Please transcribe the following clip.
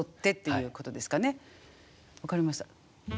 分かりました。